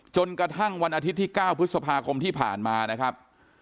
จนกระทั่งวันอาทิตย์ที่๙พฤษภาคมที่ผ่านมานะครับ